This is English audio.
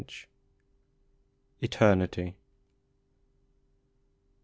79 ETERNITY.